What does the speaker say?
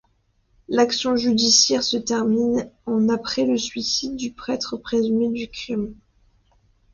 L'action judiciaire se termine en après le suicide du prêtre présumé du crime.